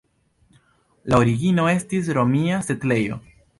La origino estis romia setlejo.